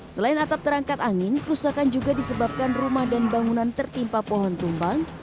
selain atap terangkat angin kerusakan juga disebabkan rumah dan bangunan tertimpa pohon tumbang